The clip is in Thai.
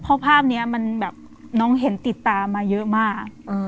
เพราะภาพนี้มันแบบน้องเห็นติดตามมาเยอะมาก